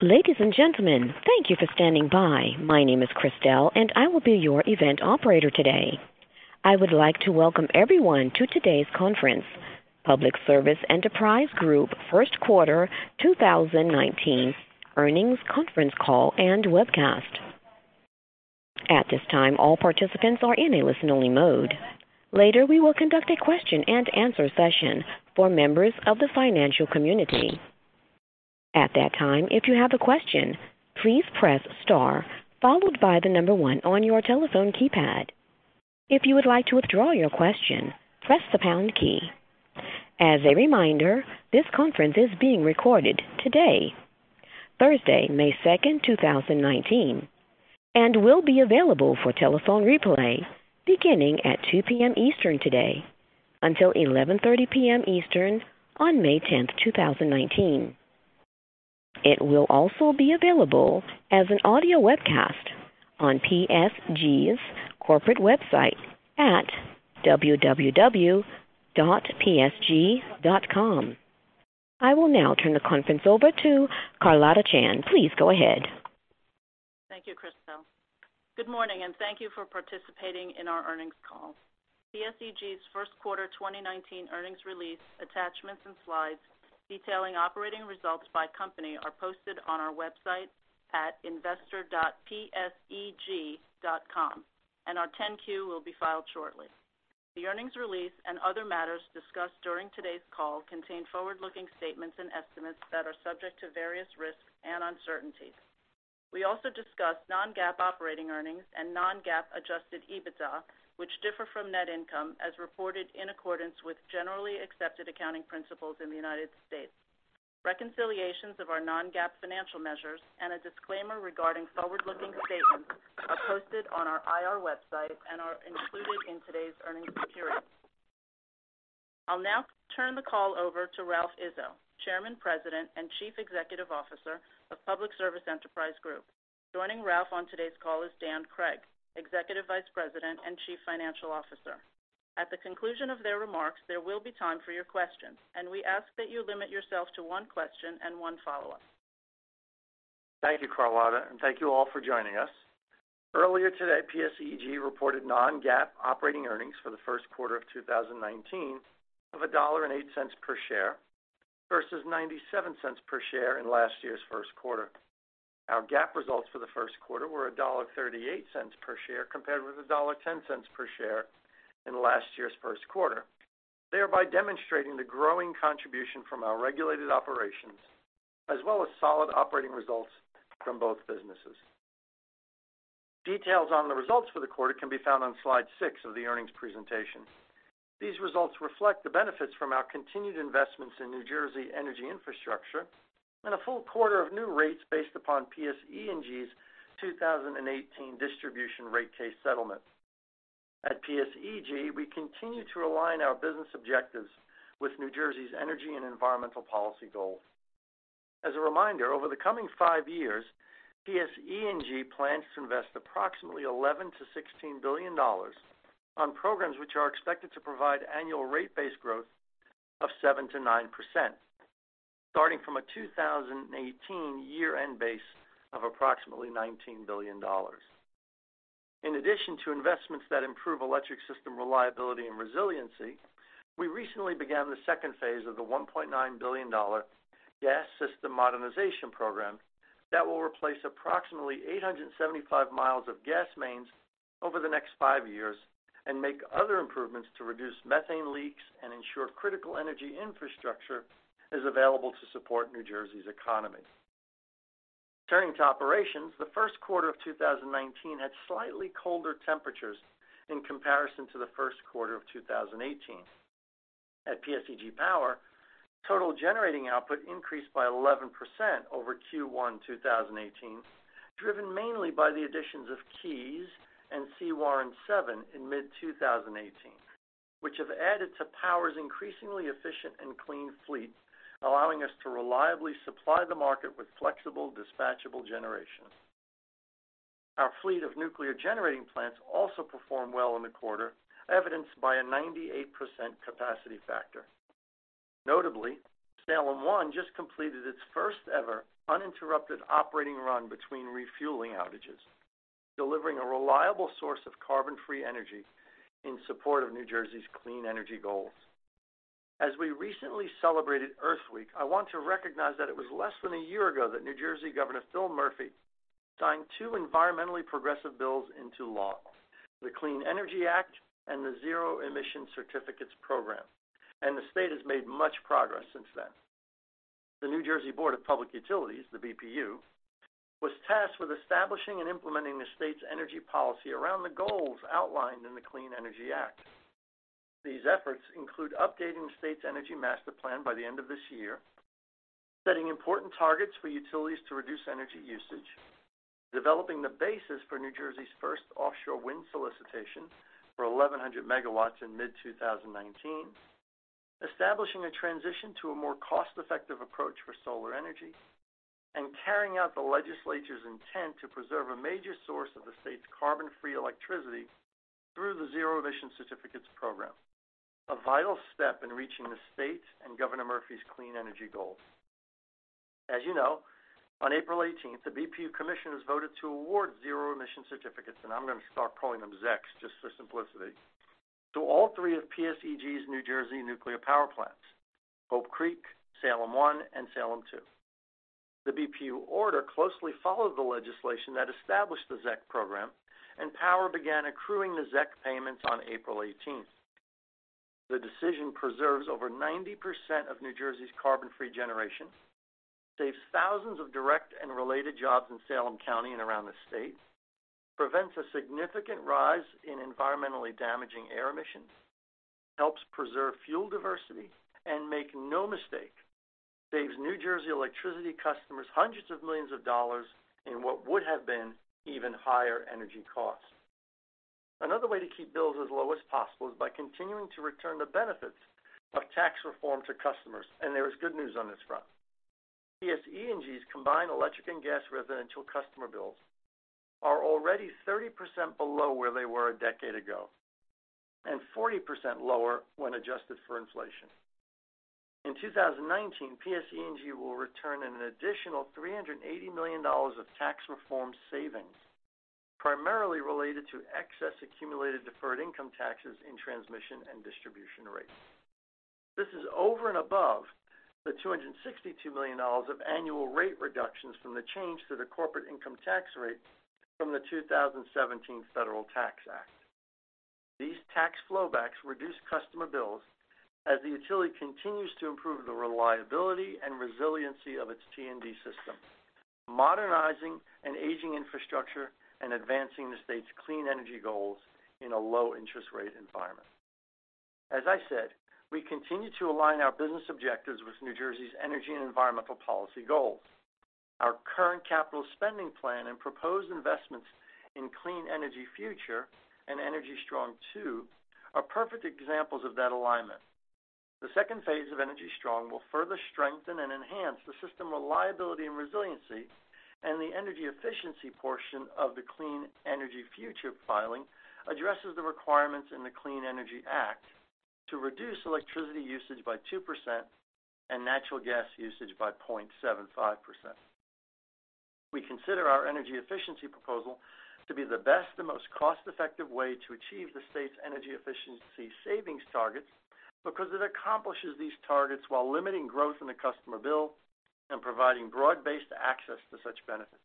Ladies and gentlemen, thank you for standing by. My name is Christelle, and I will be your event operator today. I would like to welcome everyone to today's conference, Public Service Enterprise Group First Quarter 2019 Earnings Conference Call and Webcast. At this time, all participants are in a listen-only mode. Later, we will conduct a question-and-answer session for members of the financial community. At that time, if you have a question, please press star followed by the number one on your telephone keypad. If you would like to withdraw your question, press the pound key. As a reminder, this conference is being recorded today, Thursday, May 2, 2019, and will be available for telephone replay beginning at 2:00 P.M. Eastern today until 11:30 P.M. Eastern on May 10, 2019. It will also be available as an audio webcast on PSEG's corporate website at www.pseg.com. I will now turn the conference over to Carlotta Chan. Please go ahead. Thank you, Christelle. Good morning, and thank you for participating in our earnings call. PSEG's First Quarter 2019 earnings release attachments and slides detailing operating results by company are posted on our website at investor.pseg.com, and our 10-Q will be filed shortly. The earnings release and other matters discussed during today's call contain forward-looking statements and estimates that are subject to various risks and uncertainties. We also discuss non-GAAP operating earnings and non-GAAP adjusted EBITDA, which differ from net income as reported in accordance with Generally Accepted Accounting Principles in the United States. Reconciliations of our non-GAAP financial measures and a disclaimer regarding forward-looking statements are posted on our IR website and are included in today's earnings materials. I'll now turn the call over to Ralph Izzo, Chairman, President, and Chief Executive Officer of Public Service Enterprise Group. Joining Ralph on today's call is Dan Cregg, Executive Vice President and Chief Financial Officer. At the conclusion of their remarks, there will be time for your questions, and we ask that you limit yourself to one question and one follow-up. Thank you, Carlotta, and thank you all for joining us. Earlier today, PSEG reported non-GAAP operating earnings for the first quarter of 2019 of $1.08 per share versus $0.97 per share in last year's first quarter. Our GAAP results for the first quarter were $1.38 per share compared with $1.10 per share in last year's first quarter, thereby demonstrating the growing contribution from our regulated operations, as well as solid operating results from both businesses. Details on the results for the quarter can be found on slide six of the earnings presentation. These results reflect the benefits from our continued investments in New Jersey energy infrastructure and a full quarter of new rates based upon PSE&G's 2018 distribution rate case settlement. At PSEG, we continue to align our business objectives with New Jersey's energy and environmental policy goals. As a reminder, over the coming five years, PSE&G plans to invest approximately $11 billion-$16 billion on programs which are expected to provide annual rate base growth of 7%-9%, starting from a 2018 year-end base of approximately $19 billion. In addition to investments that improve electric system reliability and resiliency, we recently began the second phase of the $1.9 billion gas system modernization program that will replace approximately 875 miles of gas mains over the next five years and make other improvements to reduce methane leaks and ensure critical energy infrastructure is available to support New Jersey's economy. Turning to operations, the first quarter of 2019 had slightly colder temperatures in comparison to the first quarter of 2018. At PSEG Power, total generating output increased by 11% over Q1 2018, driven mainly by the additions of Keys and Sewaren 7. Sewaren 7 in mid-2018, which have added to Power's increasingly efficient and clean fleet, allowing us to reliably supply the market with flexible, dispatchable generation. Our fleet of nuclear generating plants also performed well in the quarter, evidenced by a 98% capacity factor. Notably, Salem One just completed its first-ever uninterrupted operating run between refueling outages, delivering a reliable source of carbon-free energy in support of New Jersey's clean energy goals. As we recently celebrated Earth Week, I want to recognize that it was less than a year ago that New Jersey Governor Phil Murphy signed two environmentally progressive bills into law, the Clean Energy Act and the Zero Emission Certificates program, and the state has made much progress since then. The New Jersey Board of Public Utilities, the BPU, was tasked with establishing and implementing the state's energy policy around the goals outlined in the Clean Energy Act. These efforts include updating the state's energy master plan by the end of this year, setting important targets for utilities to reduce energy usage, developing the basis for New Jersey's first offshore wind solicitation for 1,100 megawatts in mid-2019, establishing a transition to a more cost-effective approach for solar energy, and carrying out the legislature's intent to preserve a major source of the state's carbon-free electricity through the Zero Emission Certificates program, a vital step in reaching the state and Governor Murphy's clean energy goals. As you know, on April 18th, the BPU commissioners voted to award Zero Emission Certificates, and I'm going to start calling them ZECs just for simplicity, to all three of PSEG's New Jersey nuclear power plants, Hope Creek, Salem One, and Salem Two. The BPU order closely followed the legislation that established the ZEC program, and Power began accruing the ZEC payments on April 18th. The decision preserves over 90% of New Jersey's carbon-free generation, saves thousands of direct and related jobs in Salem County and around the state, prevents a significant rise in environmentally damaging air emissions, helps preserve fuel diversity, and make no mistake, saves New Jersey electricity customers hundreds of millions of dollars in what would have been even higher energy costs. Another way to keep bills as low as possible is by continuing to return the benefits of tax reform to customers. There is good news on this front. PSE&G's combined electric and gas residential customer bills are already 30% below where they were a decade ago, and 40% lower when adjusted for inflation. In 2019, PSE&G will return an additional $380 million of tax reform savings, primarily related to excess accumulated deferred income taxes in transmission and distribution rates. This is over and above the $262 million of annual rate reductions from the change to the corporate income tax rate from the Tax Cuts and Jobs Act of 2017. These tax flow backs reduce customer bills as the utility continues to improve the reliability and resiliency of its T&D system, modernizing an aging infrastructure and advancing the state's clean energy goals in a low-interest rate environment. As I said, we continue to align our business objectives with New Jersey's energy and environmental policy goals. Our current capital spending plan and proposed investments in Clean Energy Future and Energy Strong II are perfect examples of that alignment. The second phase of Energy Strong will further strengthen and enhance the system reliability and resiliency, the energy efficiency portion of the Clean Energy Future filing addresses the requirements in the Clean Energy Act to reduce electricity usage by 2% and natural gas usage by 0.75%. We consider our energy efficiency proposal to be the best and most cost-effective way to achieve the state's energy efficiency savings targets because it accomplishes these targets while limiting growth in the customer bill and providing broad-based access to such benefits.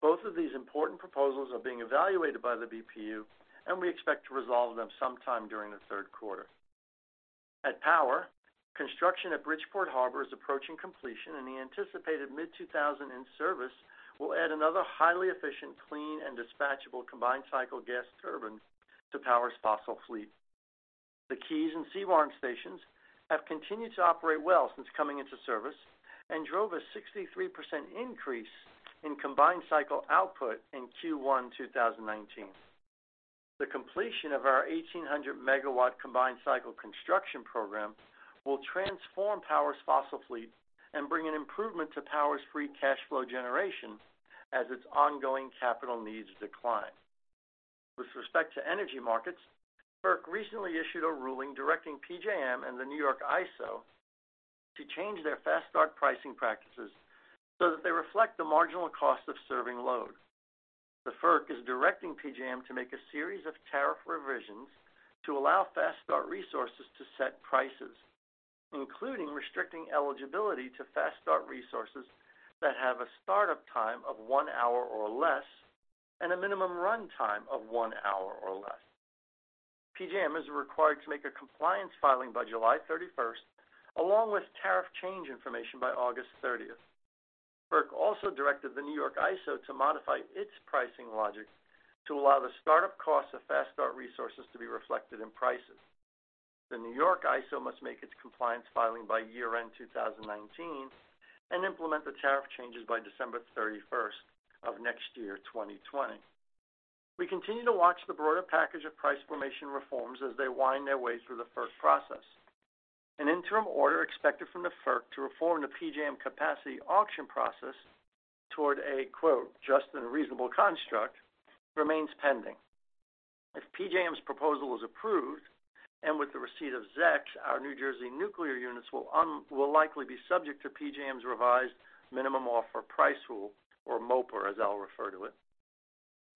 Both of these important proposals are being evaluated by the BPU, and we expect to resolve them sometime during the third quarter. At Power, construction at Bridgeport Harbor is approaching completion, and the anticipated mid-2019 in service will add another highly efficient, clean, and dispatchable combined-cycle gas turbine to Power's fossil fleet. The Keys and Sewaren stations have continued to operate well since coming into service and drove a 63% increase in combined cycle output in Q1 2019. The completion of our 1,800-megawatt combined cycle construction program will transform Power's fossil fleet and bring an improvement to Power's free cash flow generation as its ongoing capital needs decline. With respect to energy markets, FERC recently issued a ruling directing PJM and the New York ISO to change their fast start pricing practices so that they reflect the marginal cost of serving load. The FERC is directing PJM to make a series of tariff revisions to allow fast start resources to set prices, including restricting eligibility to fast start resources that have a startup time of one hour or less and a minimum runtime of one hour or less. PJM is required to make a compliance filing by July 31st, along with tariff change information by August 30th. FERC also directed the New York ISO to modify its pricing logic to allow the startup cost of fast start resources to be reflected in prices. The New York ISO must make its compliance filing by year-end 2019 and implement the tariff changes by December 31st of next year, 2020. We continue to watch the broader package of price formation reforms as they wind their way through the FERC process. An interim order expected from the FERC to reform the PJM capacity auction process toward a, quote, "just and reasonable construct" remains pending. If PJM's proposal is approved and with the receipt of ZECs, our New Jersey nuclear units will likely be subject to PJM's revised minimum offer price rule, or MOPR, as I'll refer to it.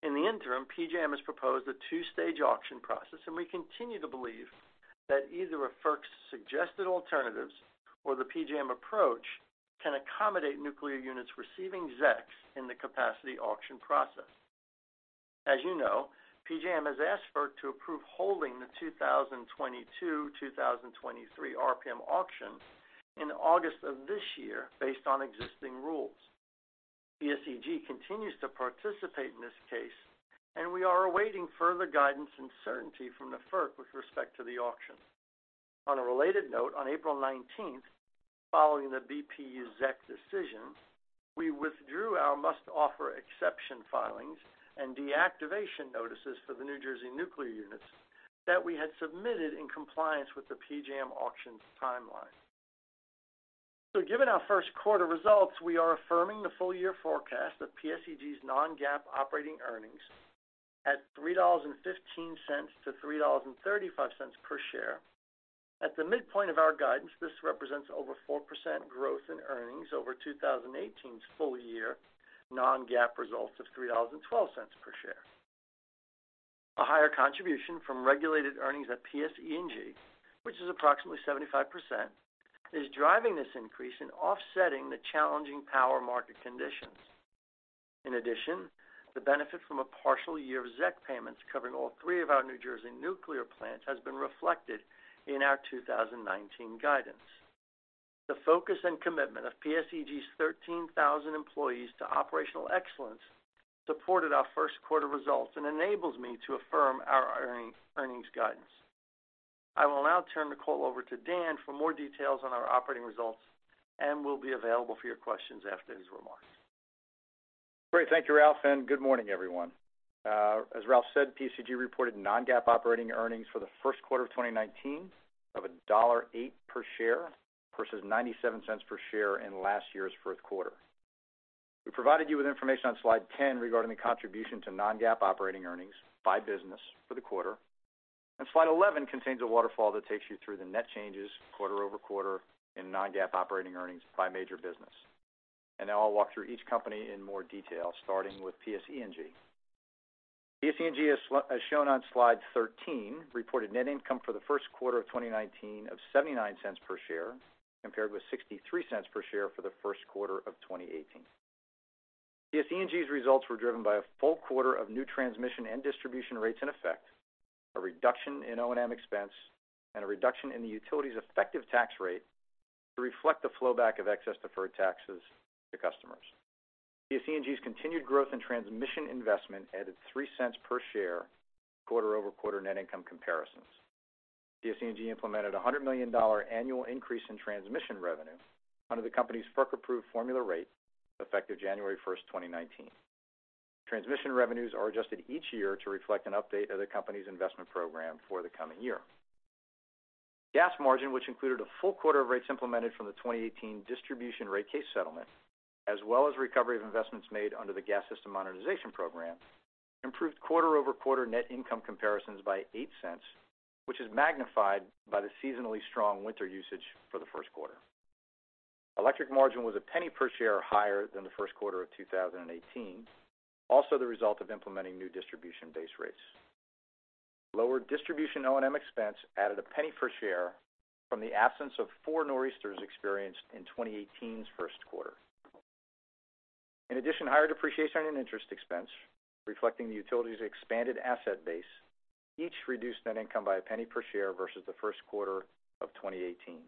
In the interim, PJM has proposed a two-stage auction process. We continue to believe that either FERC's suggested alternatives or the PJM approach can accommodate nuclear units receiving ZECs in the capacity auction process. As you know, PJM has asked FERC to approve holding the 2022-2023 RPM auction in August of this year based on existing rules. PSEG continues to participate in this case, and we are awaiting further guidance and certainty from the FERC with respect to the auction. On a related note, on April 19th, following the BPU ZEC decision, we withdrew our must-offer exception filings and deactivation notices for the New Jersey nuclear units that we had submitted in compliance with the PJM auctions timeline. Given our first quarter results, we are affirming the full-year forecast of PSEG's non-GAAP operating earnings at $3.15-$3.35 per share. At the midpoint of our guidance, this represents over 4% growth in earnings over 2018's full-year non-GAAP results of $3.12 per share. A higher contribution from regulated earnings at PSE&G, which is approximately 75%, is driving this increase in offsetting the challenging power market conditions. In addition, the benefit from a partial year of ZEC payments covering all three of our New Jersey nuclear plants has been reflected in our 2019 guidance. The focus and commitment of PSEG's 13,000 employees to operational excellence supported our first quarter results and enables me to affirm our earnings guidance. I will now turn the call over to Dan for more details on our operating results, and will be available for your questions after his remarks. Great. Thank you, Ralph. Good morning, everyone. As Ralph said, PSEG reported non-GAAP operating earnings for the first quarter of 2019 of $1.08 per share versus $0.97 per share in last year's fourth quarter. We provided you with information on slide 10 regarding the contribution to non-GAAP operating earnings by business for the quarter. Slide 11 contains a waterfall that takes you through the net changes quarter-over-quarter in non-GAAP operating earnings by major business. Now I'll walk through each company in more detail, starting with PSE&G. PSE&G, as shown on slide 13, reported net income for the first quarter of 2019 of $0.79 per share compared with $0.63 per share for the first quarter of 2018. PSE&G's results were driven by a full quarter of new transmission and distribution rates in effect, a reduction in O&M expense, and a reduction in the utility's effective tax rate to reflect the flowback of excess deferred taxes to customers. PSE&G's continued growth in transmission investment added $0.03 per share quarter-over-quarter net income comparisons. PSE&G implemented $100 million annual increase in transmission revenue under the company's FERC-approved formula rate effective January 1st, 2019. Transmission revenues are adjusted each year to reflect an update of the company's investment program for the coming year. Gas margin, which included a full quarter of rates implemented from the 2018 distribution rate case settlement, as well as recovery of investments made under the gas system modernization program, improved quarter-over-quarter net income comparisons by $0.08, which is magnified by the seasonally strong winter usage for the first quarter. Electric margin was $0.01 per share higher than the first quarter of 2018, also the result of implementing new distribution base rates. Lower distribution O&M expense added $0.01 per share from the absence of four Nor'easters experienced in 2018's first quarter. In addition, higher depreciation and interest expense, reflecting the utility's expanded asset base, each reduced net income by $0.01 per share versus the first quarter of 2018.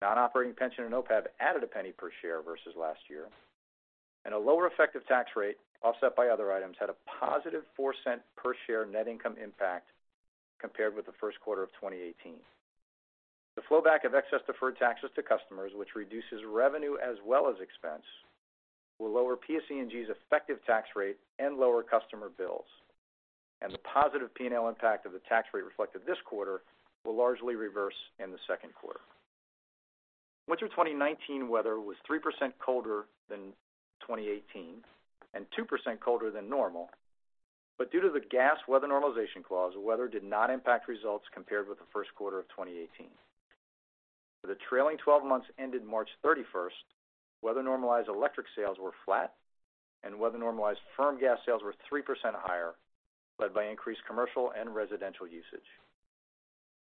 Non-operating pension and OPEB added $0.01 per share versus last year, and a lower effective tax rate, offset by other items, had a positive $0.04 per share net income impact compared with the first quarter of 2018. The flowback of excess deferred taxes to customers, which reduces revenue as well as expense, will lower PSE&G's effective tax rate and lower customer bills. The positive P&L impact of the tax rate reflected this quarter will largely reverse in the second quarter. Winter 2019 weather was 3% colder than 2018 and 2% colder than normal, but due to the gas weather normalization clause, the weather did not impact results compared with the first quarter of 2018. For the trailing 12 months ended March 31st, weather-normalized electric sales were flat, and weather-normalized firm gas sales were 3% higher, led by increased commercial and residential usage.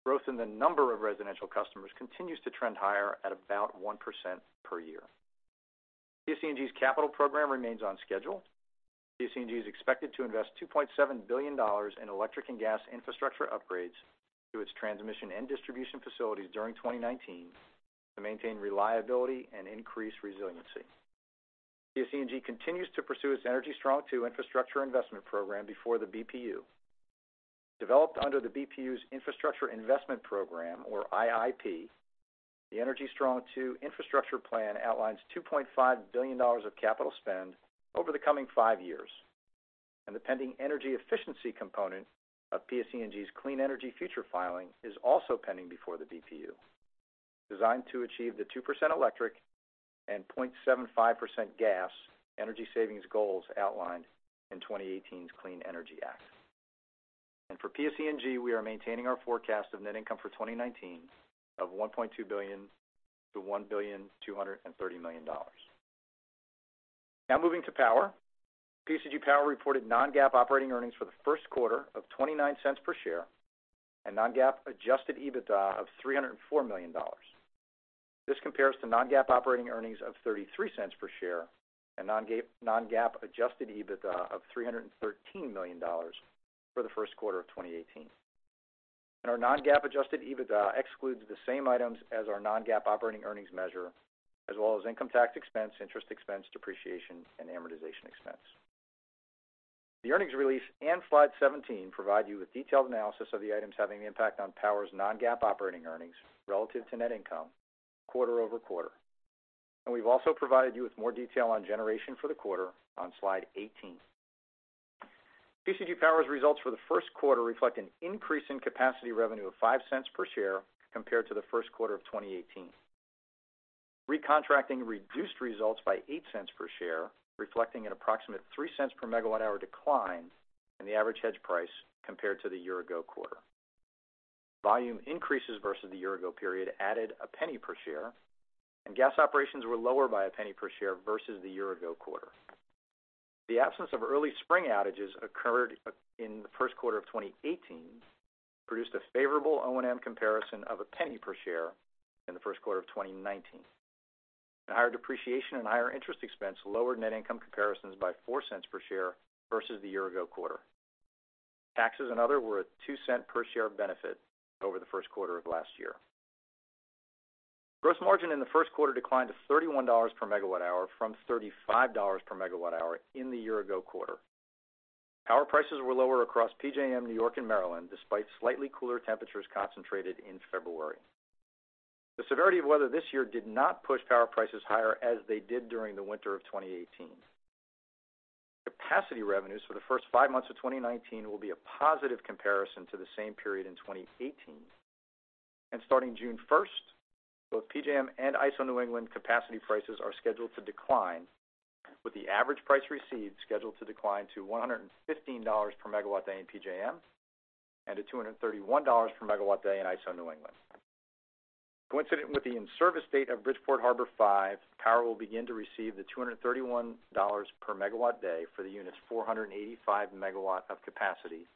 Growth in the number of residential customers continues to trend higher at about 1% per year. PSE&G's capital program remains on schedule. PSE&G is expected to invest $2.7 billion in electric and gas infrastructure upgrades to its transmission and distribution facilities during 2019 to maintain reliability and increase resiliency. PSE&G continues to pursue its Energy Strong 2 infrastructure investment program before the BPU. Developed under the BPU's Infrastructure Investment Program, or IIP, the Energy Strong 2 infrastructure plan outlines $2.5 billion of capital spend over the coming five years. The pending energy efficiency component of PSE&G's Clean Energy Future filing is also pending before the BPU, designed to achieve the 2% electric and 0.75% gas energy savings goals outlined in 2018's Clean Energy Act. For PSE&G, we are maintaining our forecast of net income for 2019 of $1.2 billion-$1.230 billion. Moving to Power. PSEG Power reported non-GAAP operating earnings for the first quarter of $0.29 per share and non-GAAP adjusted EBITDA of $304 million. This compares to non-GAAP operating earnings of $0.33 per share and non-GAAP adjusted EBITDA of $313 million for the first quarter of 2018. Our non-GAAP adjusted EBITDA excludes the same items as our non-GAAP operating earnings measure, as well as income tax expense, interest expense, depreciation, and amortization expense. The earnings release and slide 17 provide you with detailed analysis of the items having an impact on Power's non-GAAP operating earnings relative to net income quarter over quarter. We've also provided you with more detail on generation for the quarter on slide 18. PSEG Power's results for the first quarter reflect an increase in capacity revenue of $0.05 per share compared to the first quarter of 2018. Recontracting reduced results by $0.08 per share, reflecting an approximate $0.03 per megawatt hour decline in the average hedge price compared to the year-ago quarter. Volume increases versus the year-ago period added a $0.01 per share. Gas operations were lower by a $0.01 per share versus the year-ago quarter. The absence of early spring outages occurred in the first quarter of 2018, produced a favorable O&M comparison of a $0.01 per share in the first quarter of 2019. Higher depreciation and higher interest expense lowered net income comparisons by $0.04 per share versus the year-ago quarter. Taxes and other were a $0.02 per share benefit over the first quarter of last year. Gross margin in the first quarter declined to $31 per megawatt hour from $35 per megawatt hour in the year-ago quarter. Power prices were lower across PJM, New York, and Maryland, despite slightly cooler temperatures concentrated in February. The severity of weather this year did not push power prices higher as they did during the winter of 2018. Capacity revenues for the first five months of 2019 will be a positive comparison to the same period in 2018. Starting June 1st, both PJM and ISO New England capacity prices are scheduled to decline, with the average price received scheduled to decline to $115 per megawatt day in PJM and to $231 per megawatt day in ISO New England. Coincident with the in-service date of Bridgeport Harbor 5, Power will begin to receive the $231 per megawatt day for the unit's 485 MW of capacity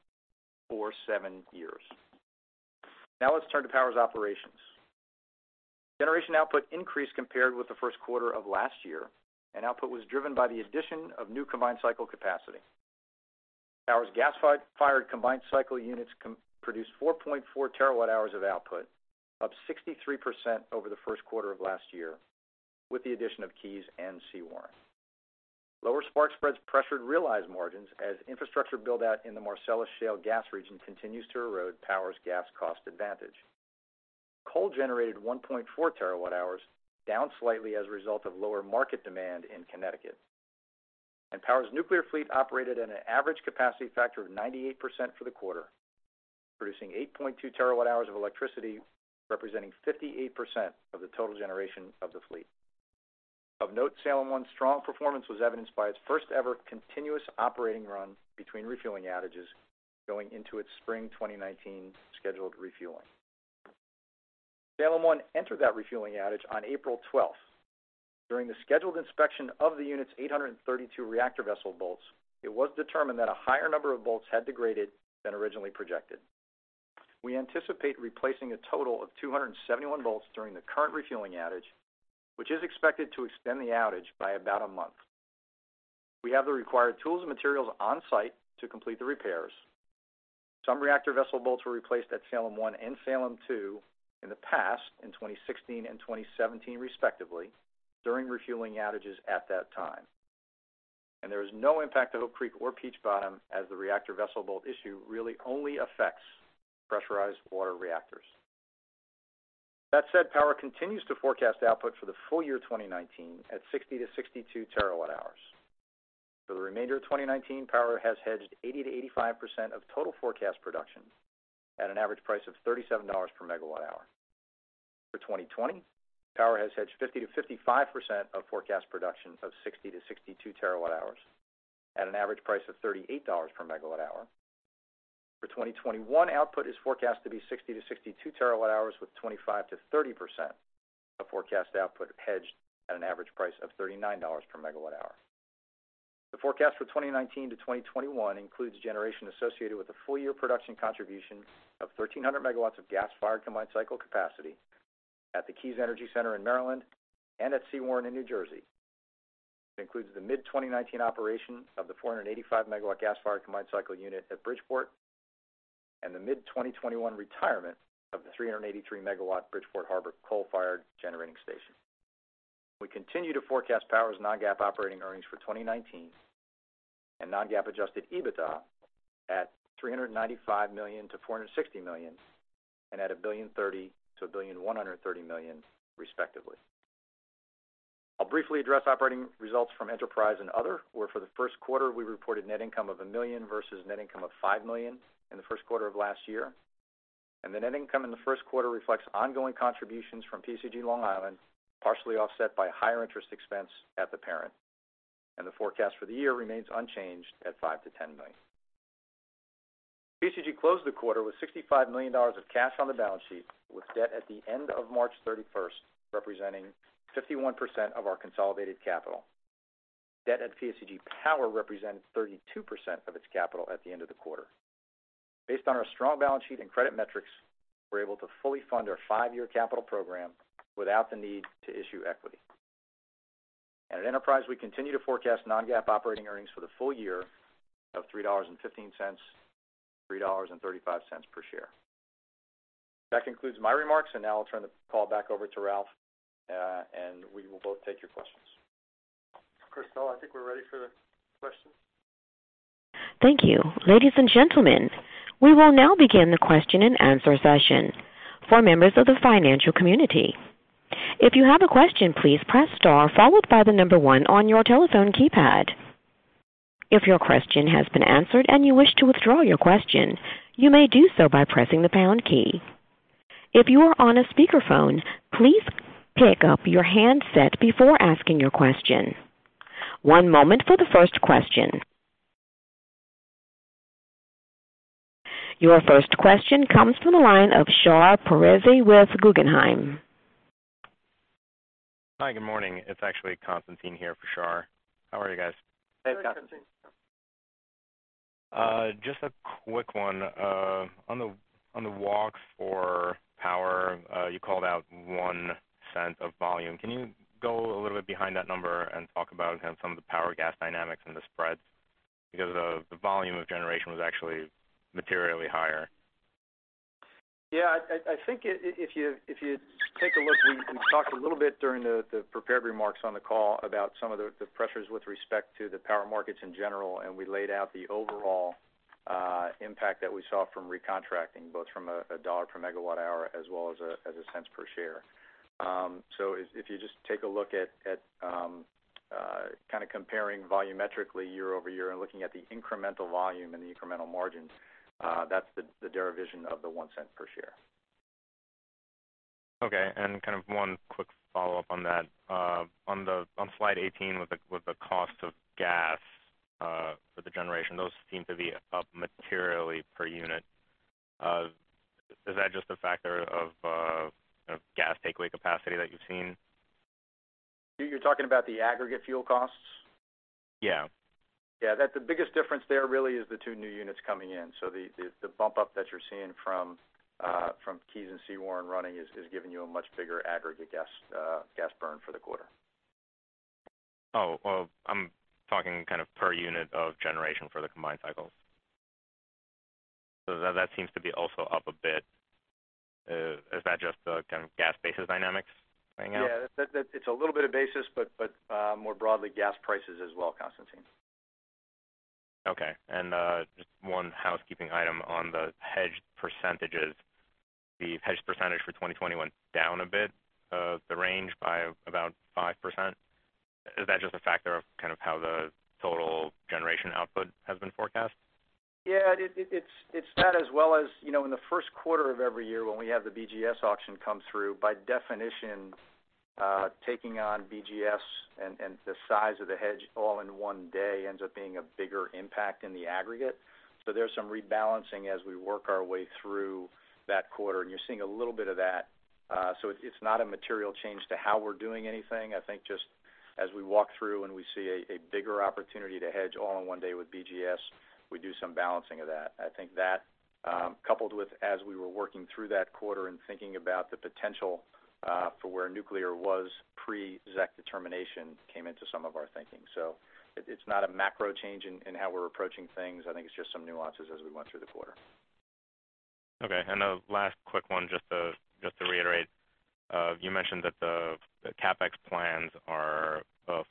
for seven years. Let's turn to Power's operations. Generation output increased compared with the first quarter of last year. Output was driven by the addition of new combined cycle capacity. Power's gas-fired combined cycle units produced 4.4 terawatt hours of output, up 63% over the first quarter of last year with the addition of Keys and Sewaren. Lower spark spreads pressured realized margins as infrastructure build-out in the Marcellus Shale gas region continues to erode Power's gas cost advantage. Coal generated 1.4 terawatt hours, down slightly as a result of lower market demand in Connecticut. Power's nuclear fleet operated at an average capacity factor of 98% for the quarter, producing 8.2 terawatt hours of electricity, representing 58% of the total generation of the fleet. Of note, Salem 1's strong performance was evidenced by its first ever continuous operating run between refueling outages going into its spring 2019 scheduled refueling. Salem 1 entered that refueling outage on April 12th. During the scheduled inspection of the unit's 832 reactor vessel bolts, it was determined that a higher number of bolts had degraded than originally projected. We anticipate replacing a total of 271 bolts during the current refueling outage, which is expected to extend the outage by about a month. We have the required tools and materials on-site to complete the repairs. Some reactor vessel bolts were replaced at Salem One and Salem Two in the past, in 2016 and 2017 respectively, during refueling outages at that time. There is no impact to Hope Creek The forecast for 2019-2021 includes generation associated with the full year production contribution of 1,300 megawatts of gas-fired combined cycle capacity at the Keys Energy Center in Maryland and at Sewaren in New Jersey. It includes the mid-2019 operation of the 485-megawatt gas-fired combined cycle unit at Bridgeport and the mid-2021 retirement of the 383-megawatt Bridgeport Harbor coal-fired generating station. We continue to forecast PSEG Power's non-GAAP operating earnings for 2019 and non-GAAP adjusted EBITDA at $395 million-$460 million and at $1.030 billion-$1.130 billion, respectively. I'll briefly address operating results from Enterprise and Other, where for the first quarter, we reported net income of $1 million versus net income of $5 million in the first quarter of last year. The net income in the first quarter reflects ongoing contributions from PSEG Long Island, partially offset by higher interest expense at the parent. The forecast for the year remains unchanged at $5 million-$10 million. PSEG closed the quarter with $65 million of cash on the balance sheet, with debt at the end of March 31st representing 51% of our consolidated capital. Debt at PSEG Power represents 32% of its capital at the end of the quarter. Based on our strong balance sheet and credit metrics, we're able to fully fund our five-year capital program without the need to issue equity. At Enterprise, we continue to forecast non-GAAP operating earnings for the full year of $3.15-$3.35 per share. That concludes my remarks, and now I'll turn the call back over to Ralph, and we will both take your questions. Christelle, I think we're ready for the questions. Thank you. Ladies and gentlemen, we will now begin the question-and-answer session for members of the financial community. If you have a question, please press star followed by the number 1 on your telephone keypad. If your question has been answered and you wish to withdraw your question, you may do so by pressing the pound key. If you are on a speakerphone, please pick up your handset before asking your question. One moment for the first question. Your first question comes from the line of Shar Pourreza with Guggenheim. Hi, good morning. It's actually Constantine here for Shar. How are you guys? Hey, Constantine. Just a quick one. On the walks for power, you called out $0.01 of volume. Can you go a little bit behind that number and talk about some of the power gas dynamics and the spreads? Because the volume of generation was actually materially higher. Yeah. I think if you take a look, we talked a little bit during the prepared remarks on the call about some of the pressures with respect to the power markets in general, and we laid out the overall impact that we saw from recontracting, both from a $ per megawatt hour as well as a $0.01 per share. If you just take a look at kind of comparing volumetrically year-over-year and looking at the incremental volume and the incremental margins, that's the derivation of the $0.01 per share. Okay. Kind of one quick follow-up on that. On slide 18 with the cost of gas for the generation, those seem to be up materially per unit. Is that just a factor of gas takeaway capacity that you've seen? You're talking about the aggregate fuel costs? Yeah. Yeah. The biggest difference there really is the two new units coming in. The bump up that you're seeing from Keys and Sewaren running is giving you a much bigger aggregate gas burn for the quarter. Well, I'm talking kind of per unit of generation for the combined cycles. That seems to be also up a bit. Is that just the kind of gas basis dynamics playing out? Yeah. It's a little bit of basis, more broadly gas prices as well, Constantine. Okay. Just one housekeeping item on the hedged percentages. The hedged percentage for 2021 down a bit of the range by about 5%. Is that just a factor of kind of how the total generation output has been forecast? Yeah. It's that as well as in the first quarter of every year when we have the BGS auction come through, by definition, taking on BGS and the size of the hedge all in one day ends up being a bigger impact in the aggregate. There's some rebalancing as we work our way through that quarter, and you're seeing a little bit of that. It's not a material change to how we're doing anything. I think just as we walk through and we see a bigger opportunity to hedge all in one day with BGS, we do some balancing of that. I think that, coupled with as we were working through that quarter and thinking about the potential, for where nuclear was pre-ZEC determination came into some of our thinking. It's not a macro change in how we're approaching things. I think it is just some nuances as we went through the quarter. A last quick one just to reiterate. You mentioned that the CapEx plans are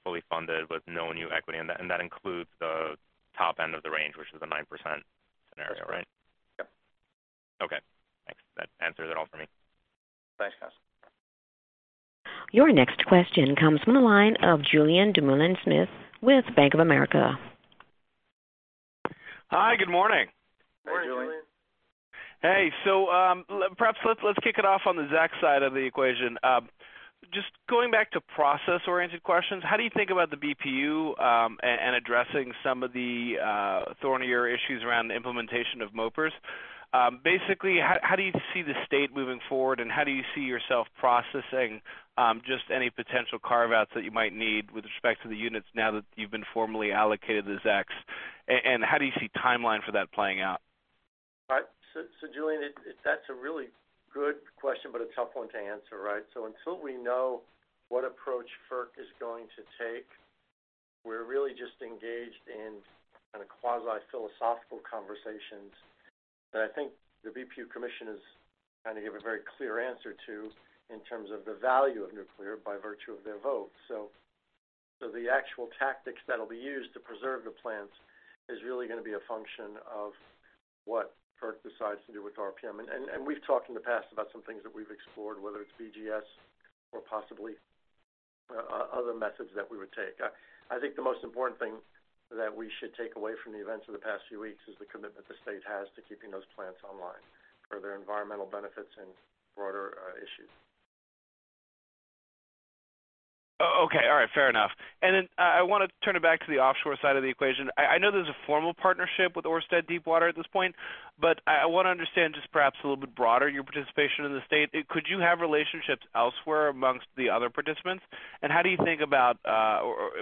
fully funded with no new equity, and that includes the top end of the range, which is a 9% scenario, right? Yep. Okay, thanks. That answers it all for me. Thanks. Your next question comes from the line of Julien Dumoulin-Smith with Bank of America. Hi, good morning. Morning, Julien. Hey. Perhaps let's kick it off on the ZEC side of the equation. Just going back to process-oriented questions, how do you think about the BPU, and addressing some of the thornier issues around the implementation of MOPRs? Basically, how do you see the state moving forward, and how do you see yourself processing just any potential carve-outs that you might need with respect to the units now that you've been formally allocated the ZECs? And how do you see timeline for that playing out? Julien, that's a really good question, but a tough one to answer, right? Until we know what approach FERC is going to take, we're really just engaged in kind of quasi-philosophical conversations that I think the BPU commission has kind of gave a very clear answer to in terms of the value of nuclear by virtue of their vote. The actual tactics that'll be used to preserve the plants is really going to be a function of what FERC decides to do with RPM. We've talked in the past about some things that we've explored, whether it's BGS or possibly other methods that we would take. I think the most important thing that we should take away from the events of the past few weeks is the commitment the state has to keeping those plants online for their environmental benefits and broader issues. Okay. All right. Fair enough. I want to turn it back to the offshore side of the equation. I know there's a formal partnership with Ørsted Deep Water at this point, but I want to understand just perhaps a little bit broader your participation in the state. Could you have relationships elsewhere amongst the other participants? How do you think about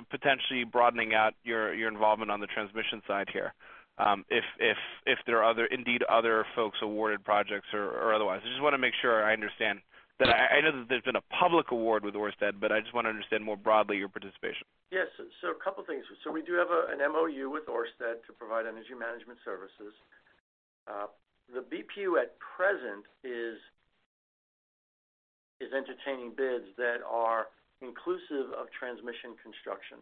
potentially broadening out your involvement on the transmission side here? If there are indeed other folks awarded projects or otherwise. I just want to make sure I understand. I know that there's been a public award with Ørsted, but I just want to understand more broadly your participation. Yes. A couple of things. We do have an MOU with Ørsted to provide energy management services. The BPU at present is entertaining bids that are inclusive of transmission construction.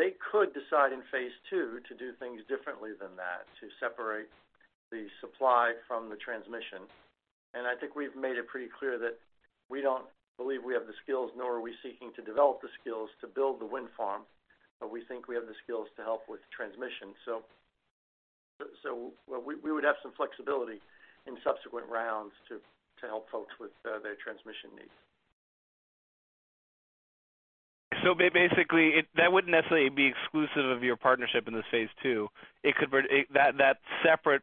They could decide in phase two to do things differently than that, to separate the supply from the transmission. I think we've made it pretty clear that we don't believe we have the skills, nor are we seeking to develop the skills to build the wind farm, but we think we have the skills to help with transmission. We would have some flexibility in subsequent rounds to help folks with their transmission needs. Basically, that wouldn't necessarily be exclusive of your partnership in this phase two. That separate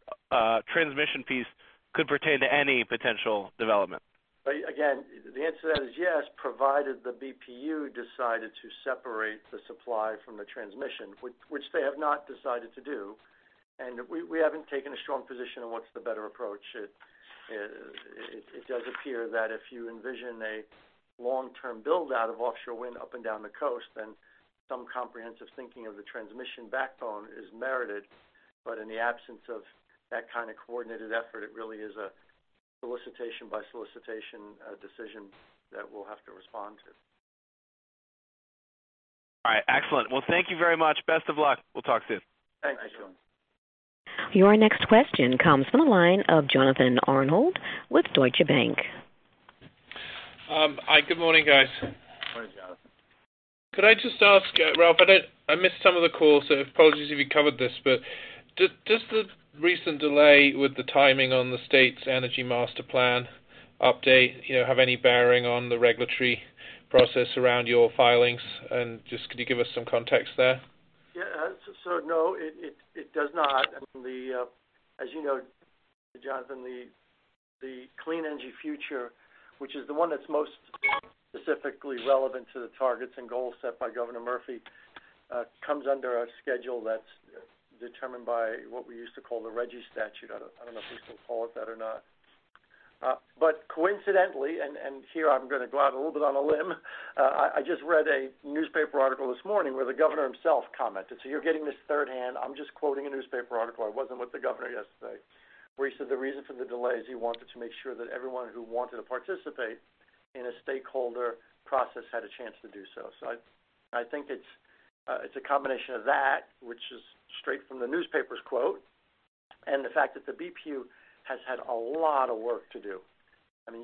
transmission piece could pertain to any potential development. The answer to that is yes, provided the BPU decided to separate the supply from the transmission, which they have not decided to do. We haven't taken a strong position on what's the better approach. It does appear that if you envision a long-term build-out of offshore wind up and down the coast, then some comprehensive thinking of the transmission backbone is merited. In the absence of that kind of coordinated effort, it really is a solicitation by solicitation decision that we'll have to respond to. All right, excellent. Well, thank you very much. Best of luck. We'll talk soon. Thanks, Julien. Your next question comes from the line of Jonathan Arnold with Deutsche Bank. Hi, good morning, guys. Morning, Jonathan. Could I just ask, Ralph, I missed some of the call, so apologies if you covered this, but does the recent delay with the timing on the state's energy master plan update have any bearing on the regulatory process around your filings? Just could you give us some context there? Yeah. No, it does not. As you know, Jonathan, the Clean Energy Future, which is the one that is most specifically relevant to the targets and goals set by Governor Murphy, comes under a schedule that is determined by what we used to call the RGGI statute. I do not know if people call it that or not. Coincidentally, and here I am going to go out a little bit on a limb, I just read a newspaper article this morning where the governor himself commented. You are getting this thirdhand. I am just quoting a newspaper article. I was not with the governor yesterday, where he said the reason for the delay is he wanted to make sure that everyone who wanted to participate in a stakeholder process had a chance to do so. I think it's a combination of that, which is straight from the newspaper's quote and the fact that the BPU has had a lot of work to do.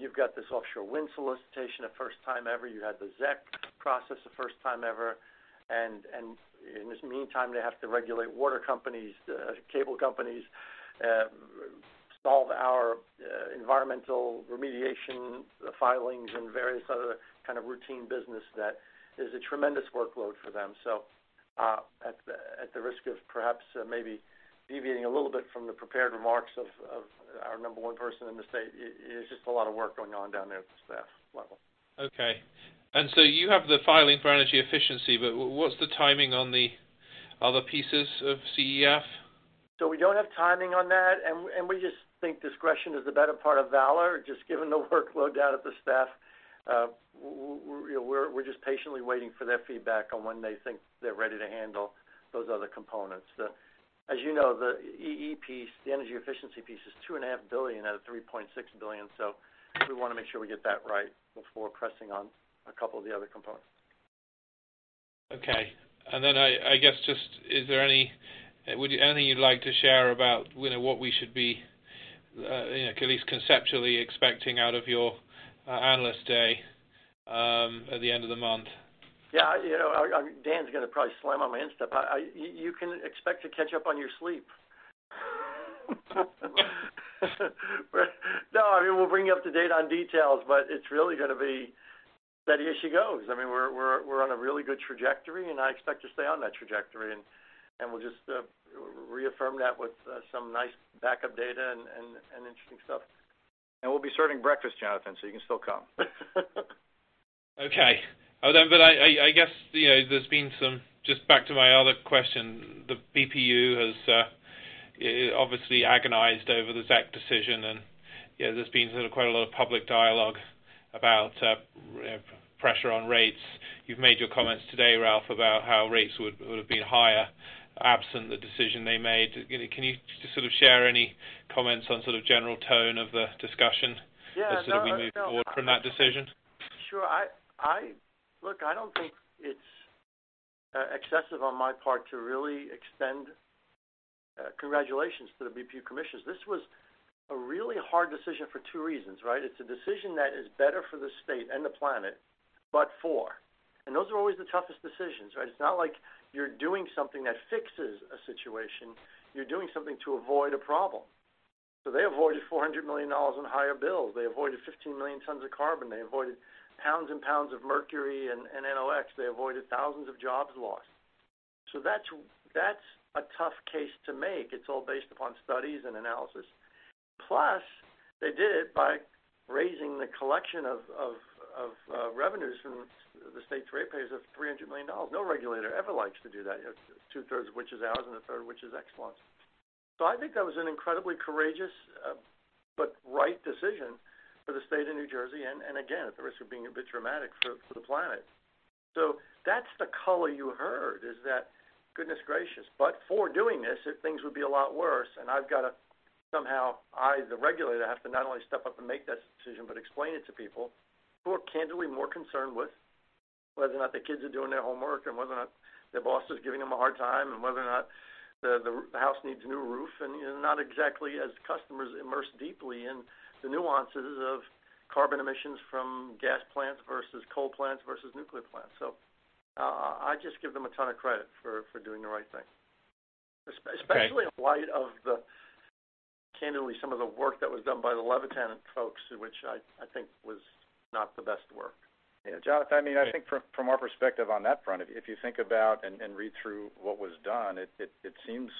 You've got this offshore wind solicitation, the first time ever. You had the ZEC process, the first time ever. In this meantime, they have to regulate water companies, cable companies, solve our environmental remediation filings, and various other kind of routine business that is a tremendous workload for them. At the risk of perhaps maybe deviating a little bit from the prepared remarks of our number one person in the state, it is just a lot of work going on down there at the staff level. Okay. You have the filing for energy efficiency, but what's the timing on the other pieces of CEF? We don't have timing on that, and we just think discretion is the better part of valor, just given the workload down at the staff. We're just patiently waiting for their feedback on when they think they're ready to handle those other components. You know, the EE piece, the energy efficiency piece, is $2.5 billion out of $3.6 billion. We want to make sure we get that right before pressing on a couple of the other components. Okay. Then, I guess, just is there any you'd like to share about what we should be at least conceptually expecting out of your analyst day at the end of the month? Yeah. Dan's going to probably slam on my insta. You can expect to catch up on your sleep. We'll bring you up to date on details, but it's really going to be steady as she goes. We're on a really good trajectory, and I expect to stay on that trajectory, and we'll just reaffirm that with some nice backup data and interesting stuff. We'll be serving breakfast, Jonathan, so you can still come. Okay. I guess, there's been some, just back to my other question, the BPU has obviously agonized over the ZEC decision, and there's been sort of quite a lot of public dialogue about pressure on rates. You've made your comments today, Ralph, about how rates would have been higher absent the decision they made. Can you just sort of share any comments on sort of general tone of the discussion as we move forward from that decision? Sure. Look, I don't think it's excessive on my part to really extend congratulations to the BPU commissioners. This was a really hard decision for two reasons, right? It's a decision that is better for the state and the planet. Those are always the toughest decisions, right? It's not like you're doing something that fixes a situation. You're doing something to avoid a problem. They avoided $400 million in higher bills. They avoided 15 million tons of carbon. They avoided pounds and pounds of mercury and NOx. They avoided thousands of jobs lost. That's a tough case to make. It's all based upon studies and analysis. They did it by raising the collection of revenues from the state's ratepayers of $300 million. No regulator ever likes to do that. Two-thirds of which is ours, and a third of which is Exelon's. I think that was an incredibly courageous but right decision for the state of New Jersey, again, at the risk of being a bit dramatic, for the planet. That's the color you heard, is that Goodness gracious. For doing this, things would be a lot worse. I've got to somehow, I, the regulator, have to not only step up and make that decision, but explain it to people who are candidly more concerned with whether or not their kids are doing their homework and whether or not their boss is giving them a hard time and whether or not the house needs a new roof, and not exactly as customers immersed deeply in the nuances of carbon emissions from gas plants versus coal plants versus nuclear plants. I just give them a ton of credit for doing the right thing. Okay. Especially in light of the, candidly, some of the work that was done by the Levitan folks, which I think was not the best work. Yeah. Jonathan, I think from our perspective on that front, if you think about and read through what was done, it seems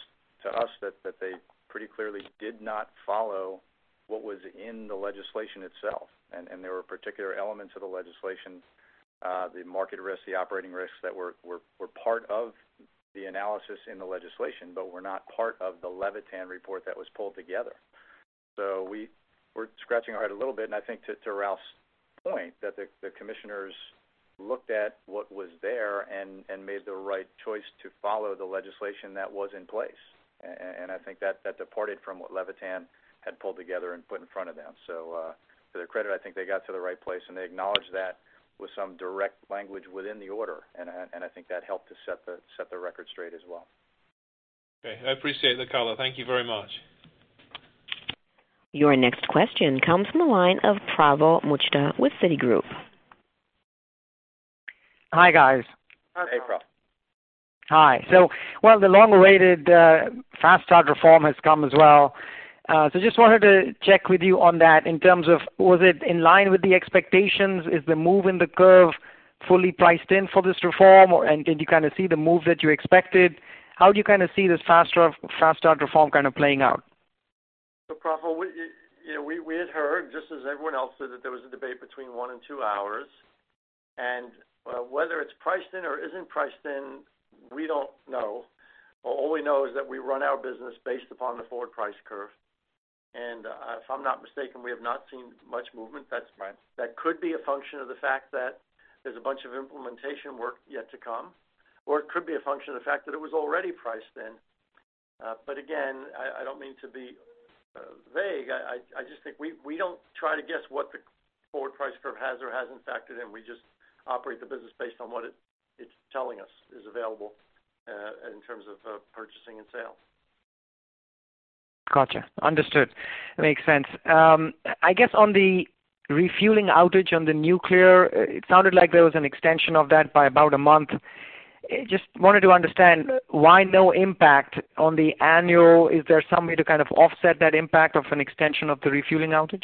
to us that they pretty clearly did not follow what was in the legislation itself. There were particular elements of the legislation, the market risks, the operating risks, that were part of the analysis in the legislation, but were not part of the Levitan report that was pulled together. We're scratching our head a little bit, and I think to Ralph's point, that the commissioners looked at what was there and made the right choice to follow the legislation that was in place. I think that departed from what Levitan had pulled together and put in front of them. To their credit, I think they got to the right place, they acknowledged that with some direct language within the order, I think that helped to set the record straight as well. Okay. I appreciate the color. Thank you very much. Your next question comes from the line of Praful Mehta with Citigroup. Hi, guys. Hi, Praful. Hey, Praful. Hi. Well, the long-awaited fast start reform has come as well. Just wanted to check with you on that in terms of was it in line with the expectations? Is the move in the curve fully priced in for this reform? Did you kind of see the move that you expected? How do you kind of see this fast start reform playing out? Praful, we had heard, just as everyone else did, that there was a debate between one and two hours. Whether it's priced in or isn't priced in, we don't know. All we know is that we run our business based upon the forward price curve. If I'm not mistaken, we have not seen much movement. That's right. That could be a function of the fact that there's a bunch of implementation work yet to come, or it could be a function of the fact that it was already priced in. Again, I don't mean to be vague. I just think we don't try to guess what the forward price curve has or hasn't factored in. We just operate the business based on what it's telling us is available in terms of purchasing and sales. Got you. Understood. Makes sense. I guess on the refueling outage on the nuclear, it sounded like there was an extension of that by about one month. Just wanted to understand why no impact on the annual. Is there some way to kind of offset that impact of an extension of the refueling outage?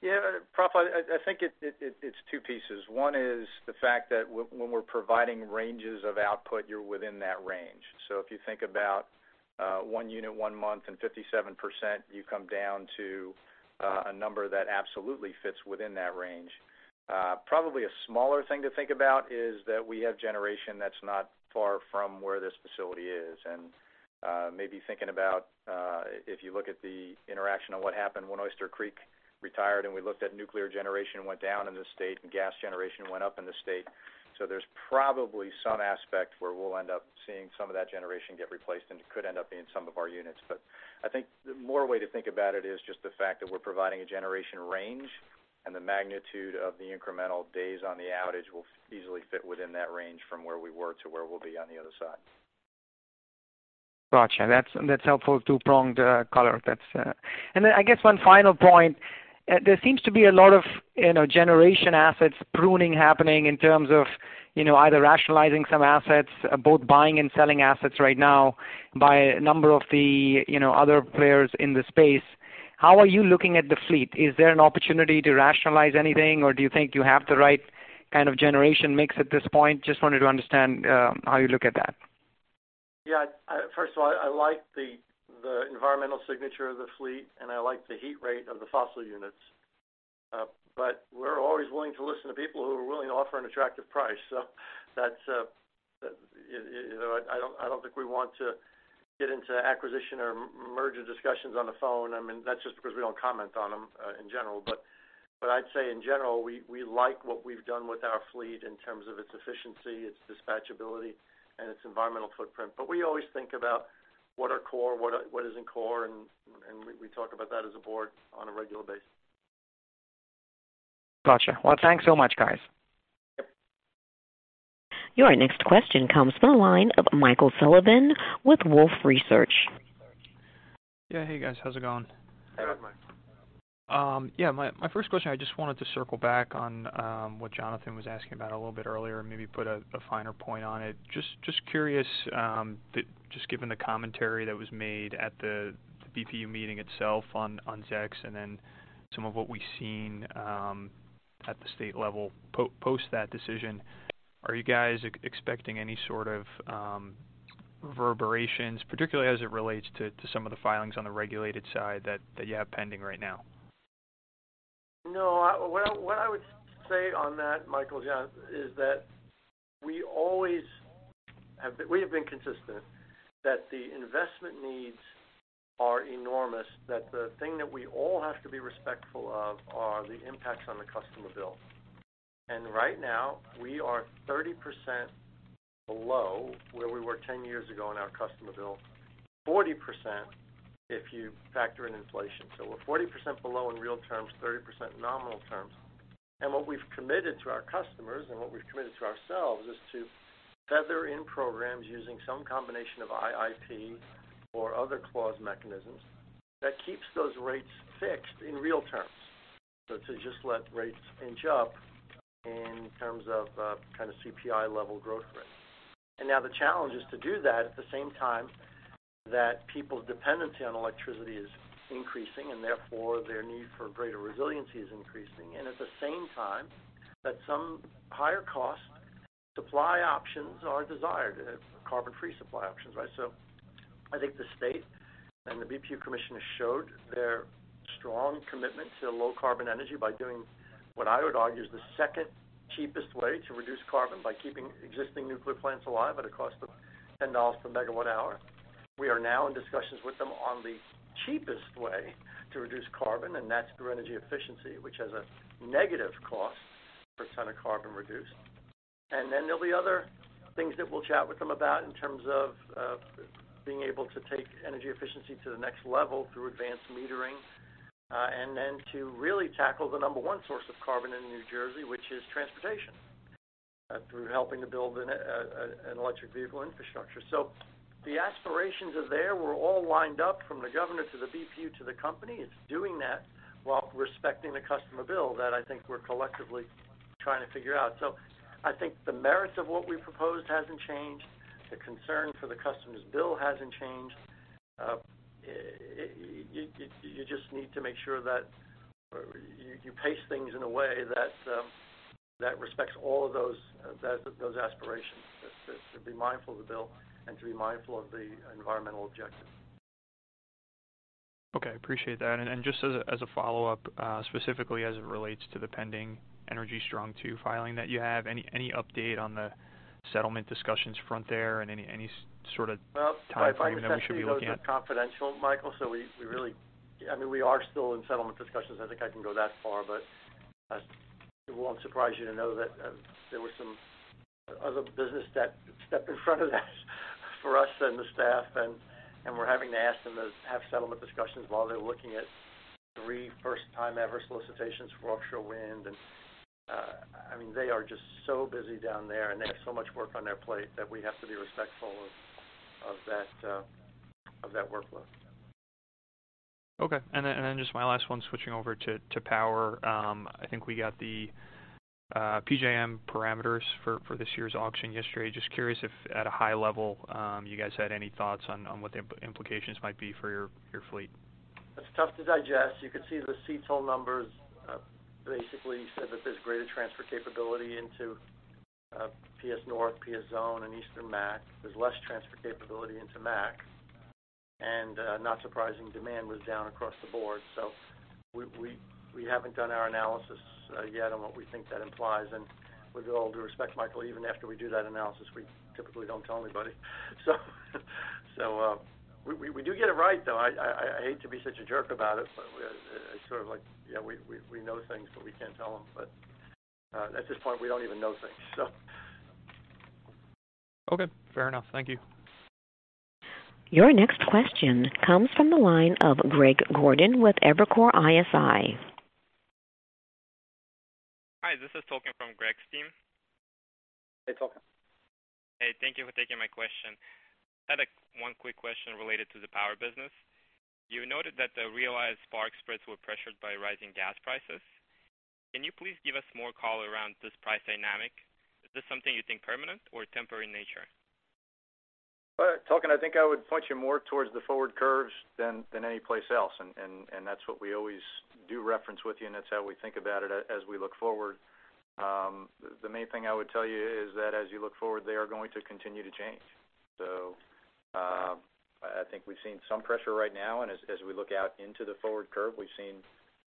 Yeah, Praful, I think it's two pieces. One is the fact that when we're providing ranges of output, you're within that range. If you think about one unit one month and 57%, you come down to a number that absolutely fits within that range. Probably a smaller thing to think about is that we have generation that's not far from where this facility is. Maybe thinking about, if you look at the interaction of what happened when Oyster Creek retired, and we looked at nuclear generation went down in the state and gas generation went up in the state. There's probably some aspect where we'll end up seeing some of that generation get replaced, and it could end up being some of our units. I think more way to think about it is just the fact that we're providing a generation range and the magnitude of the incremental days on the outage will easily fit within that range from where we were to where we'll be on the other side. Got you. That's a helpful two-pronged color. I guess one final point. There seems to be a lot of generation assets pruning happening in terms of either rationalizing some assets, both buying and selling assets right now by a number of the other players in the space. How are you looking at the fleet? Is there an opportunity to rationalize anything, or do you think you have the right kind of generation mix at this point? Just wanted to understand how you look at that. Yeah. First of all, I like the environmental signature of the fleet, and I like the heat rate of the fossil units. We're always willing to listen to people who are willing to offer an attractive price. I don't think we want to get into acquisition or merger discussions on the phone. That's just because we don't comment on them in general. I'd say in general, we like what we've done with our fleet in terms of its efficiency, its dispatchability, and its environmental footprint. We always think about what are core, what isn't core, and we talk about that as a board on a regular basis. Got you. Thanks so much, guys. Yep. Your next question comes from the line of Michael Sullivan with Wolfe Research. Yeah. Hey, guys. How's it going? Hey, Mike. Hey, Mike. Yeah. My first question, I just wanted to circle back on what Jonathan was asking about a little bit earlier, and maybe put a finer point on it. Just curious, just given the commentary that was made at the BPU meeting itself on ZECs and then some of what we've seen at the state level post that decision, are you guys expecting any sort of reverberations, particularly as it relates to some of the filings on the regulated side that you have pending right now? No. What I would say on that, Michael, is that we have been consistent that the investment needs are enormous, that the thing that we all have to be respectful of are the impacts on the customer bill. Right now, we are 30% below where we were 10 years ago on our customer bill, 40% if you factor in inflation. We're 40% below in real terms, 30% nominal terms. What we've committed to our customers and what we've committed to ourselves is to feather in programs using some combination of IIP or other clause mechanisms that keeps those rates fixed in real terms. To just let rates inch up in terms of kind of CPI-level growth rate. The challenge is to do that at the same time that people's dependency on electricity is increasing, therefore, their need for greater resiliency is increasing, at the same time, that some higher-cost supply options are desired, carbon-free supply options. I think the state and the BPU Commission has showed their strong commitment to low-carbon energy by doing what I would argue is the second cheapest way to reduce carbon by keeping existing nuclear plants alive at a cost of $10 per megawatt hour. We are now in discussions with them on the cheapest way to reduce carbon, that's through energy efficiency, which has a negative cost per ton of carbon reduced. Then there'll be other things that we'll chat with them about in terms of being able to take energy efficiency to the next level through advanced metering. Then to really tackle the number 1 source of carbon in New Jersey, which is transportation, through helping to build an electric vehicle infrastructure. The aspirations are there. We're all lined up from the Governor to the BPU to the company. It's doing that while respecting the customer bill that I think we're collectively trying to figure out. I think the merits of what we proposed hasn't changed. The concern for the customer's bill hasn't changed. You just need to make sure that you pace things in a way that respects all of those aspirations, to be mindful of the bill and to be mindful of the environmental objectives. Okay. Appreciate that. Just as a follow-up, specifically as it relates to the pending Energy Strong II filing that you have, any update on the settlement discussions front there and any sort of timeframe that we should be looking at? Well, by my best view, those are confidential, Michael. We are still in settlement discussions. I think I can go that far, but it won't surprise you to know that there was some other business that stepped in front of that for us and the staff, and we're having to ask them to have settlement discussions while they're looking at 3 first-time-ever solicitations for offshore wind. They are just so busy down there, and they have so much work on their plate that we have to be respectful of that workload. Okay. Just my last one, switching over to power. I think we got the PJM parameters for this year's auction yesterday. Just curious if at a high level, you guys had any thoughts on what the implications might be for your fleet? It's tough to digest. You could see the CETL numbers basically said that there's greater transfer capability into PSEG North, PSEG Zone, and Eastern MAAC. There's less transfer capability into MAAC. Not surprising, demand was down across the board. We haven't done our analysis yet on what we think that implies. With all due respect, Michael, even after we do that analysis, we typically don't tell anybody. We do get it right, though. I hate to be such a jerk about it, but it's sort of like, we know things, but we can't tell them. At this point, we don't even know things. Okay. Fair enough. Thank you. Your next question comes from the line of Greg Gordon with Evercore ISI. Hi, this is Tolkien from Greg's team. Hey, Tolkien. Hey, thank you for taking my question. I had one quick question related to the power business. You noted that the realized spark spreads were pressured by rising gas prices. Can you please give us more color around this price dynamic? Is this something you think permanent or temporary in nature? Well, Tolkien, I think I would point you more towards the forward curves than any place else. That's what we always do reference with you, and that's how we think about it as we look forward. The main thing I would tell you is that as you look forward, they are going to continue to change. I think we've seen some pressure right now, and as we look out into the forward curve, we've seen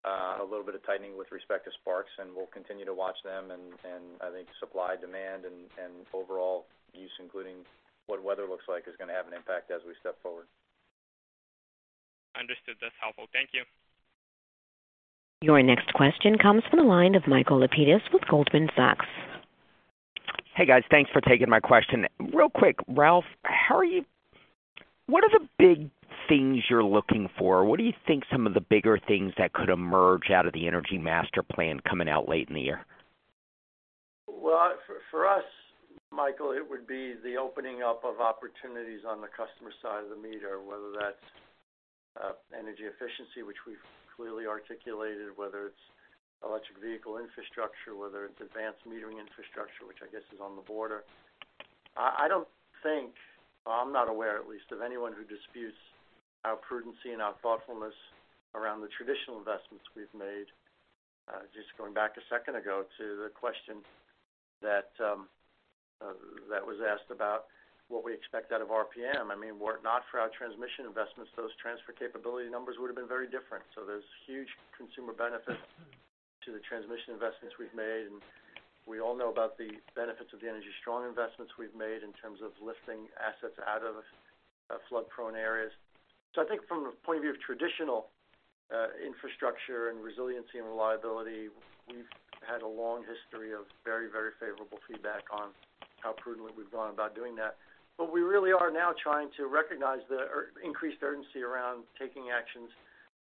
a little bit of tightening with respect to sparks, and we'll continue to watch them and I think supply, demand, and overall use, including what weather looks like, is going to have an impact as we step forward. Understood. That's helpful. Thank you. Your next question comes from the line of Michael Lapides with Goldman Sachs. Hey, guys. Thanks for taking my question. Real quick, Ralph, what are the big things you're looking for? What do you think some of the bigger things that could emerge out of the energy master plan coming out late in the year? Well, for us, Michael, it would be the opening up of opportunities on the customer side of the meter, whether that's energy efficiency, which we've clearly articulated, whether it's electric vehicle infrastructure, whether it's advanced metering infrastructure, which I guess is on the border. I don't think, or I'm not aware at least, of anyone who disputes our prudency and our thoughtfulness around the traditional investments we've made. Just going back a second ago to the question that was asked about what we expect out of RPM. I mean, were it not for our transmission investments, those transfer capability numbers would have been very different. There's huge consumer benefit to the transmission investments we've made, and we all know about the benefits of the Energy Strong investments we've made in terms of lifting assets out of flood-prone areas. I think from the point of view of traditional infrastructure and resiliency and reliability. We've had a long history of very favorable feedback on how prudently we've gone about doing that. We really are now trying to recognize the increased urgency around taking actions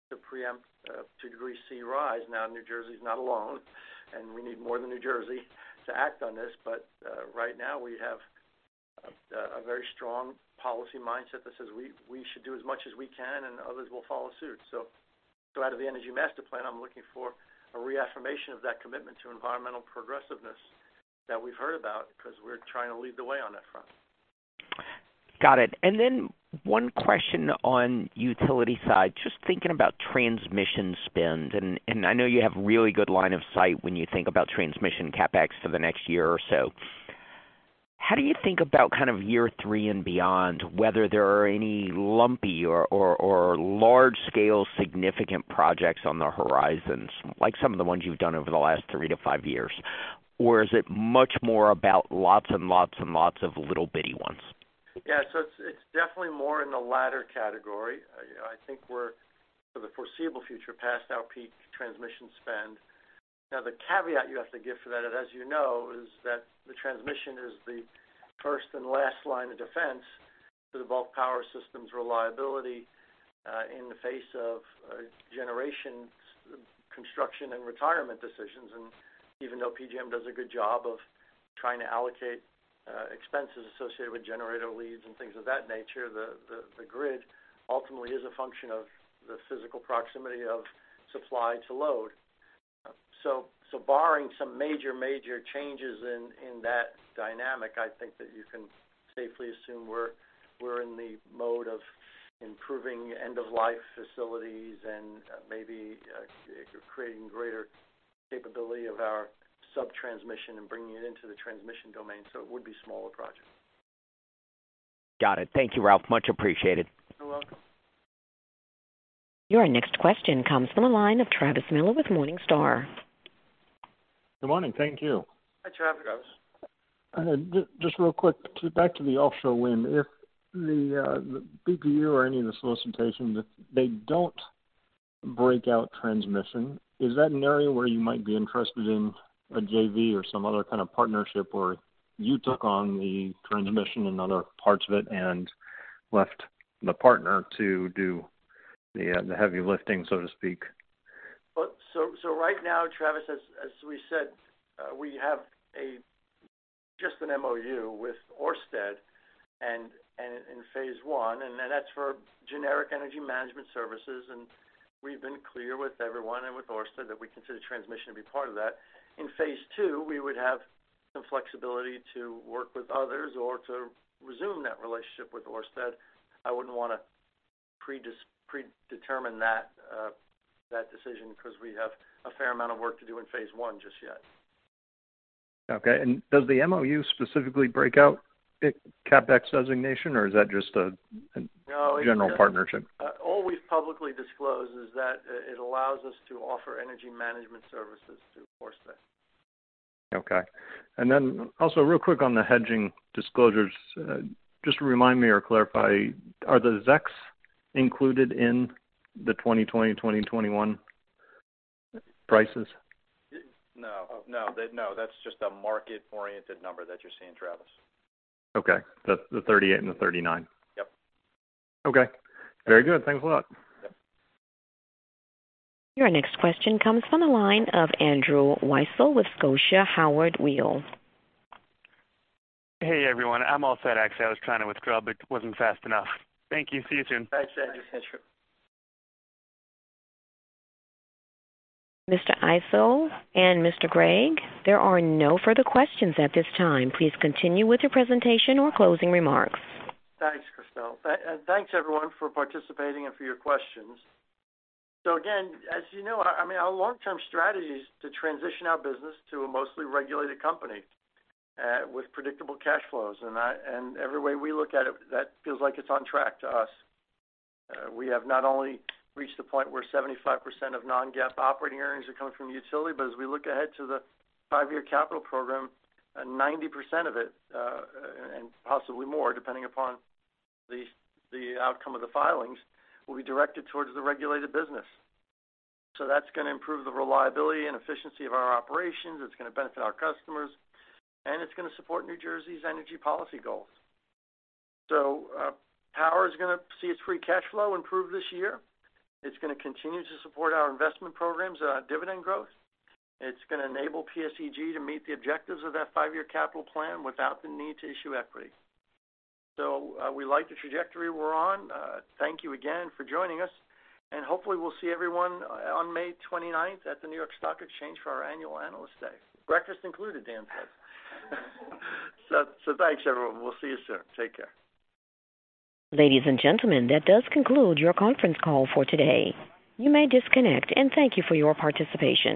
to preempt, to a degree, sea rise. New Jersey's not alone, and we need more than New Jersey to act on this. Right now we have a very strong policy mindset that says we should do as much as we can, and others will follow suit. Out of the Energy Master Plan, I'm looking for a reaffirmation of that commitment to environmental progressiveness that we've heard about because we're trying to lead the way on that front. Got it. One question on utility side, just thinking about transmission spend, and I know you have really good line of sight when you think about transmission CapEx for the next year or so. How do you think about year three and beyond, whether there are any lumpy or large-scale significant projects on the horizons, like some of the ones you've done over the last three to five years? Or is it much more about lots and lots of little bitty ones? Yeah. It's definitely more in the latter category. I think we're, for the foreseeable future, past our peak transmission spend. The caveat you have to give for that, as you know, is that the transmission is the first and last line of defense for the bulk power systems reliability, in the face of generation construction and retirement decisions. Even though PJM does a good job of trying to allocate expenses associated with generator leads and things of that nature, the grid ultimately is a function of the physical proximity of supply to load. Barring some major changes in that dynamic, I think that you can safely assume we're in the mode of improving end-of-life facilities and maybe creating greater capability of our sub-transmission and bringing it into the transmission domain. It would be smaller projects. Got it. Thank you, Ralph. Much appreciated. You're welcome. Your next question comes from the line of Travis Miller with Morningstar. Good morning. Thank you. Hi, Travis. Just real quick, back to the offshore wind. If the BPU or any of the solicitations, they don't break out transmission, is that an area where you might be interested in a JV or some other kind of partnership where you took on the transmission and other parts of it and left the partner to do the heavy lifting, so to speak? Right now, Travis, as we said, we have just an MOU with Ørsted in phase one, and that's for generic energy management services. We've been clear with everyone and with Ørsted that we consider transmission to be part of that. In phase two, we would have some flexibility to work with others or to resume that relationship with Ørsted. I wouldn't want to predetermine that decision because we have a fair amount of work to do in phase one just yet. Okay. Does the MOU specifically break out CapEx designation or is that just a general partnership? All we've publicly disclosed is that it allows us to offer energy management services to Ørsted. Okay. Then also real quick on the hedging disclosures, just remind me or clarify, are the ZECs included in the 2020 and 2021 prices? No. That's just a market-oriented number that you're seeing, Travis. Okay. The 38 and the 39. Yep. Okay. Very good. Thanks a lot. Yep. Your next question comes from the line of Andrew Weisel with Scotia Howard Weil. Hey, everyone. I'm all set. Actually, I was trying to withdraw, but wasn't fast enough. Thank you. See you soon. Thanks, Andrew. Mr. Izzo and Mr. Cregg, there are no further questions at this time. Please continue with your presentation or closing remarks. Thanks, Christie. Thanks everyone for participating and for your questions. Again, as you know, our long-term strategy is to transition our business to a mostly regulated company with predictable cash flows. Every way we look at it, that feels like it's on track to us. We have not only reached the point where 75% of non-GAAP operating earnings are coming from utility, but as we look ahead to the five-year capital program, 90% of it, and possibly more, depending upon the outcome of the filings, will be directed towards the regulated business. That's going to improve the reliability and efficiency of our operations. It's going to benefit our customers, and it's going to support New Jersey's energy policy goals. Power is going to see its free cash flow improve this year. It's going to continue to support our investment programs, our dividend growth. It's going to enable PSEG to meet the objectives of that five-year capital plan without the need to issue equity. We like the trajectory we're on. Thank you again for joining us, and hopefully we'll see everyone on May 29th at the New York Stock Exchange for our annual Analyst Day. Breakfast included, Dan says. Thanks, everyone. We'll see you soon. Take care. Ladies and gentlemen, that does conclude your conference call for today. You may disconnect, and thank you for your participation.